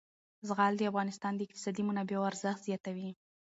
زغال د افغانستان د اقتصادي منابعو ارزښت زیاتوي.